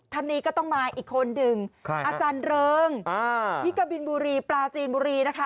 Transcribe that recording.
ท่านนี้ก็ต้องมาอีกคนหนึ่งอาจารย์เริงที่กะบินบุรีปลาจีนบุรีนะคะ